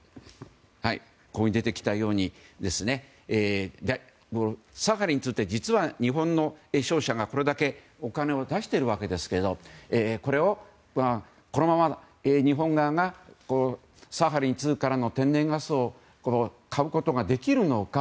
ここに出てきたようにサハリン２って実は、日本の商社がこれだけお金を出しているわけですがこれをこのまま日本側がサハリン２からの天然ガスを買うことができるのか。